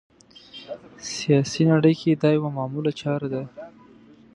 سیاسي نړۍ کې دا یوه معموله چاره ده